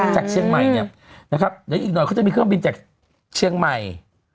จากเชียงใหม่เนี่ยนะครับเดี๋ยวอีกหน่อยเขาจะมีเครื่องบินจากเชียงใหม่